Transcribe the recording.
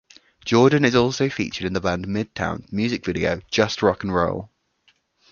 Jordan is also featured in the band Midtown's music video "Just Rock and Roll".